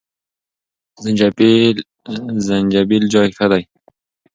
زنجبیل چای ښه دی.